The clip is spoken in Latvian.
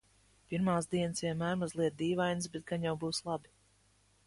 Pirmās dienas vienmēr mazliet dīvainas, bet gan jau būs labi.